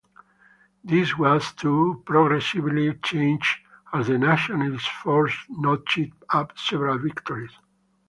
This was to progressively change as the Nationalist forces notched up several victories.